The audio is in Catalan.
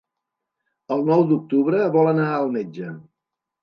El nou d'octubre vol anar al metge.